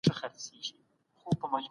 توند ږغ زړونه ماتوي